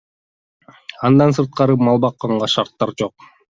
Андан сырткары мал бакканга шарттар жок.